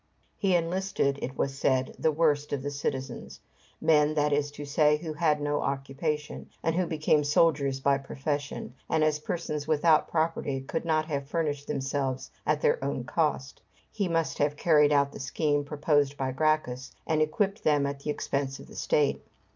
"He enlisted," it was said, "the worst of the citizens," men, that is to say, who had no occupation, and who became soldiers by profession; and as persons without property could not have furnished themselves at their own cost, he must have carried out the scheme proposed by Gracchus, and equipped them at the expense of the state.